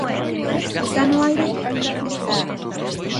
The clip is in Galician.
Está no aire aínda a fin de semana.